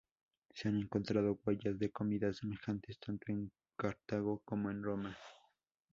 Se han encontrado huellas de comidas semejantes tanto en Cartago como en Roma.